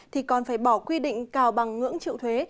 thì còn phải bỏ quy định cao bằng ngưỡng chịu thuế